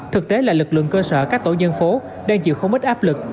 thực tế là lực lượng cơ sở các tổ dân phố đang chịu không ít áp lực